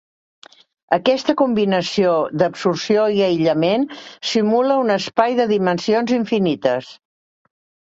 Aquesta combinació d'absorció i aïllament simula un espai de dimensions infinites.